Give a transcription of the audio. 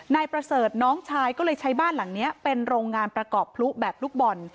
นายประเสริฐน้องชายก็เลยใช้บ้านหลังนี้เป็นโรงงานประกอบพลุแบบลูกบอล